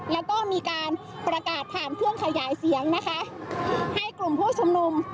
แล้วก็มีการประกาศผ่านเครื่องขยายเสียงนะคะให้กลุ่มผู้ชุมนุม